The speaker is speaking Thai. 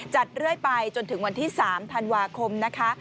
เรื่อยไปจนถึงวันที่๓ธันวาคมนะคะ